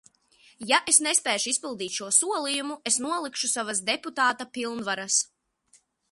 Ja es nespēšu izpildīt šo solījumu, es nolikšu savas deputāta pilnvaras.